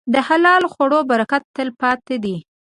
د حلال خوړو برکت تل پاتې دی.